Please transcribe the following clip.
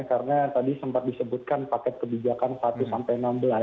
karena tadi sempat disebutkan paket kebijakan satu sampai enam belas